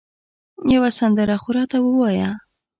یوه سندره خو راته ووایه